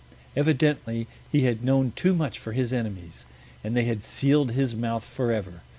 Evidently he had known too much for his enemies, and they had sealed his mouth forever.